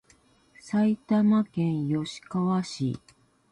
埼玉県吉川市